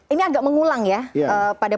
ini agak mengulang ya pada